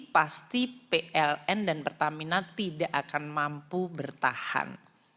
pasti pln dan pertamina tidak akan mampu bertahan